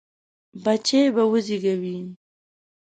بچي به وزېږوي.